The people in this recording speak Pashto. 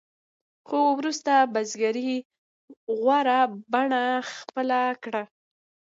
خو وروسته بزګرۍ غوره بڼه خپله کړه.